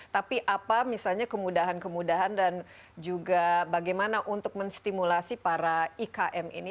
tapi apa misalnya kemudahan kemudahan dan juga bagaimana untuk menstimulasi para ikm ini